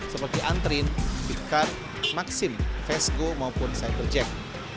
seperti antrin bigcar maxim vesgo maupun cyberjek